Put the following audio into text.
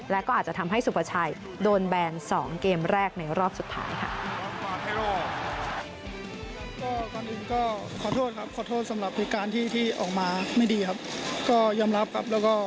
และก็อาจจะทำให้สุภาชัยโดนแบน๒เกมแรกในรอบสุดท้ายค่ะ